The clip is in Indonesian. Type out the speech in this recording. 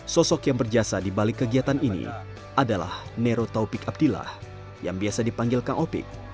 sosok yang berjasa di balik kegiatan ini adalah nero taufik abdillah yang biasa dipanggil kang opik